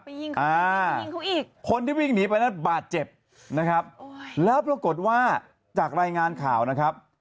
ยิงเขาไปยิงเขาอีกคนที่วิ่งหนีไปนั้นบาดเจ็บนะครับแล้วปรากฏว่าจากรายงานข่าวนะครับ